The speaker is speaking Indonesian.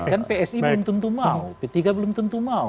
kan psi belum tentu mau p tiga belum tentu mau